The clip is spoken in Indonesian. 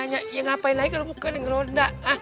ya ngapain aja kalau bukan yang roda